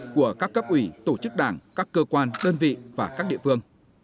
của các cấp ủy tổ chức đảng các cơ quan đơn vị và các địa phương